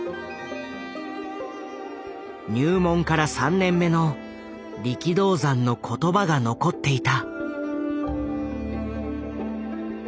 入門から３年目の力道山の言葉が残っていた。